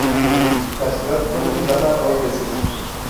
La ciudad fue fundada dos veces.